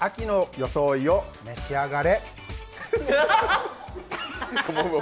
秋の装いを召し上がれ。